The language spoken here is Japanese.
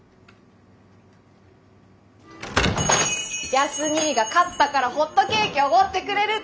康にぃが勝ったからホットケーキおごってくれるって。